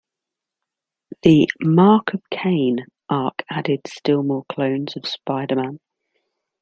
The "Mark of Kaine" arc added still more clones of Spider-Man.